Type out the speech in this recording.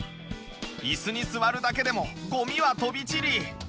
イスに座るだけでもゴミは飛び散り